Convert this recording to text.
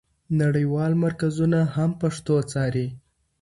نړیوال مرکزونه هم پښتو څاري.